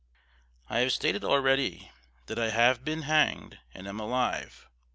I have stated already, that I have been hanged and am alive.